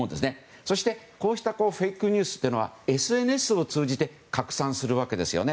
そして、こうしたフェイクニュースというのはＳＮＳを通じて拡散するわけですよね。